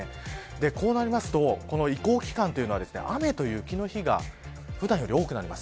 こうなりますと移行期間というのは雨と雪の日が普段より多くなります。